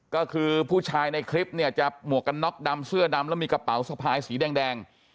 ก็คือผู้ชายในคลิปเนี่ยจะหมวกกันน็อกดำเสื้อดำแล้วมีกระเป๋าสะพายสีแดง